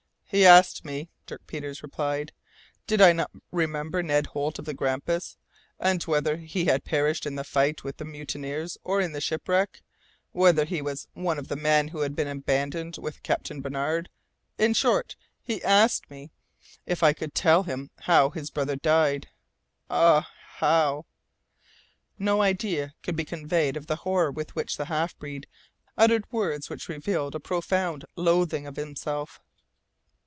"He asked me," replied Dirk Peters, "did I not remember Ned Holt of the Grampus, and whether he had perished in the fight with the mutineers or in the shipwreck; whether he was one of the men who had been abandoned with Captain Barnard; in short, he asked me if I could tell him how his brother died. Ah! how!" No idea could be conveyed of the horror with which the half breed uttered words which revealed a profound loathing of himself.